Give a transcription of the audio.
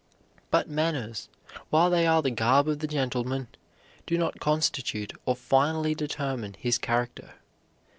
But manners, while they are the garb of the gentleman, do not constitute or finally determine his character.